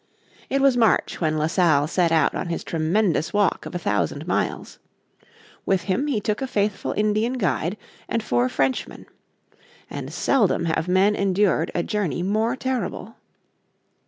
It was March when La Salle set out on his tremendous walk of a thousand miles. With him he took a faithful Indians guide and four Frenchmen. And seldom have men endured a journey more terrible.